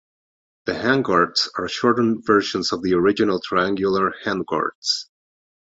The handguards are shortened versions of the original triangular handguards.